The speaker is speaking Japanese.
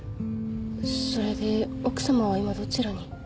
それで奥さまは今どちらに？